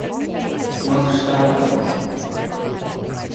Gorgon was exposed to Terrigen Mists a second time by Pentagon officials.